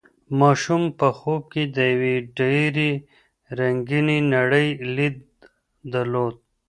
ماشوم په خوب کې د یوې ډېرې رنګینې نړۍ لید درلود.